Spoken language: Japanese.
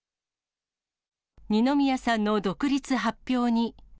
二宮さんの独立発表に。